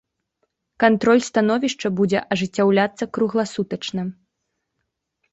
Кантроль становішча будзе ажыццяўляцца кругласутачна.